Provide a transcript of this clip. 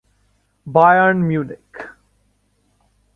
Bayern Munich